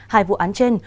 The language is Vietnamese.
hai vụ án trên